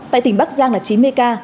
tại tỉnh bắc giang là chín mươi ca